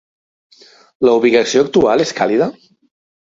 La ubicació actual és càlida?